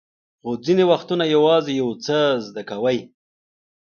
خو ځینې وختونه یوازې یو څه زده کوئ.